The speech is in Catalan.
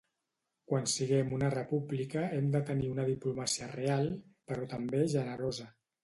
Quan siguem una república hem de tenir una diplomàcia real, però també generosa.